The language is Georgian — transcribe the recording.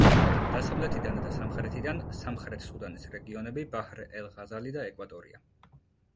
დასავლეთიდან და სამხრეთიდან სამხრეთ სუდანის რეგიონები ბაჰრ-ელ-ღაზალი და ეკვატორია.